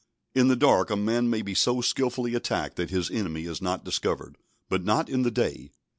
In the dark a man may be so skilfully attacked that his enemy is not discovered, but not in the day.